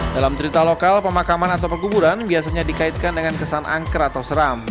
dalam cerita lokal pemakaman atau peguburan biasanya dikaitkan dengan kesan angker atau seram